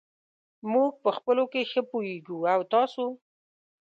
موږ په خپلو کې ښه پوهېږو. او تاسو !؟